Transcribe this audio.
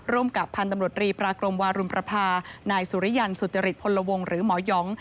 กับพันธุ์ตำรวจรีปรากรมวารุมประพานายสุริยันสุจริตพลวงหรือหมอยอง